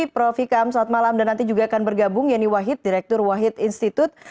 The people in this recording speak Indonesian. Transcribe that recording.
prof aisyikam selamat malam dan nanti juga akan bergabung yeni wahid direktur wahid institut